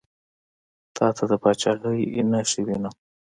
تاته د پاچهي نخښې وینم.